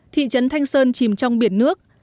thị trấn thanh sơn chìm trong biển nước